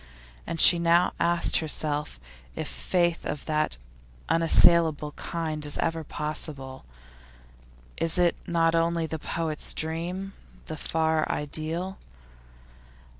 And now she asked herself if faith of that unassailable kind is ever possible; is it not only the poet's dream, the far ideal?